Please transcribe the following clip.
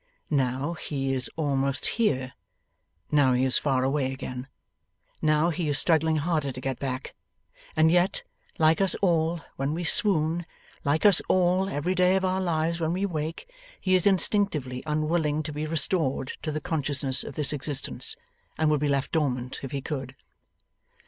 Now, he is almost here, now he is far away again. Now he is struggling harder to get back. And yet like us all, when we swoon like us all, every day of our lives when we wake he is instinctively unwilling to be restored to the consciousness of this existence, and would be left dormant, if he could.